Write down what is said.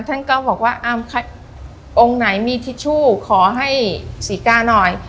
ท่านก็บอกว่าอ้าวใครองค์ไหนมีทิชชูขอให้สีก้าหน่อย